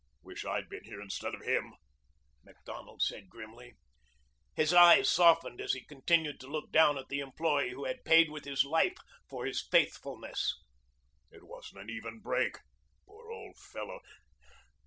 "Wish I'd been here instead of him," Macdonald said grimly. His eyes softened as he continued to look down at the employee who had paid with his life for his faithfulness. "It wasn't an even break. Poor old fellow!